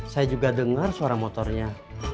saya juga dengar suara motornya